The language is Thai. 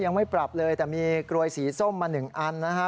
ยังไม่ปรับเลยแต่มีกลวยสีส้มมาหนึ่งอันนะฮะ